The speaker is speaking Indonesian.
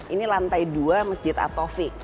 ini lantai dua masjid at taufik